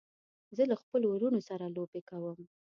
زه له خپلو وروڼو سره لوبې کوم.